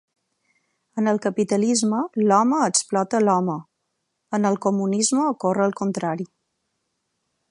En el capitalisme l'home explota l'home; en el comunisme ocorre el contrari.